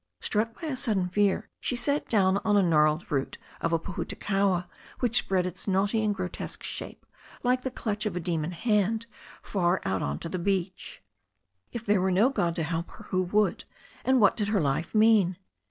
Struck by sudden fear she sat down on the gnarled root of a pohutukawa, which spread its knotty and grotesque shape like the clutch of a demon hand far out onto the beach. If there were no God to help her, who would, and what did her life mean?